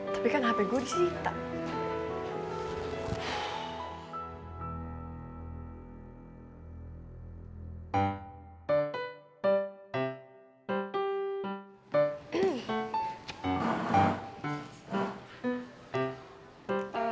tapi kan hp gue di situ